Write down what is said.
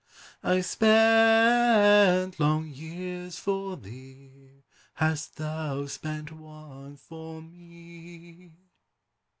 I spent long years for thee; Hast thou spent one for me?